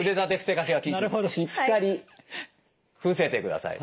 しっかり伏せてください。